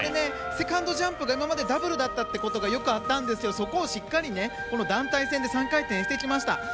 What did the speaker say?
セカンドジャンプが今までダブルだったことがよくあったんですけどそこをしっかり団体戦で３回転にしてきました。